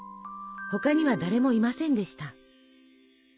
他には誰もいませんでした。